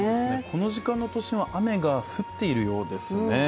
この時間の都心は雨が降っているようですね。